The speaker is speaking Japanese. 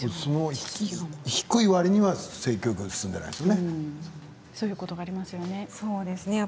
低い割には性教育が進んでいないんですよね。